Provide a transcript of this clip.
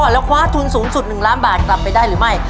แล้วคว้าทุนสูงสุด๑ล้านบาทกลับไปได้หรือไม่